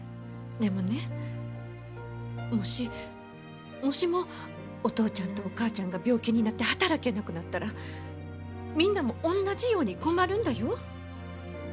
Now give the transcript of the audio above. でもねもし、もしもお父ちゃんとお母ちゃんが病気になって働けなくなったらみんなも同じように困るんだよ。